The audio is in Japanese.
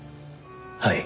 はい。